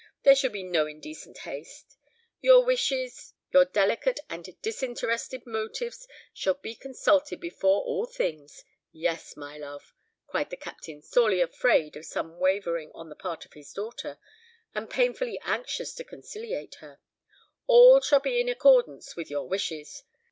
There shall be no indecent haste. Your wishes, your delicate and disinterested motives, shall be consulted before all things; yes, my love," cried the Captain, sorely afraid of some wavering on the part of his daughter, and painfully anxious to conciliate her, "all shall be in accordance with your wishes.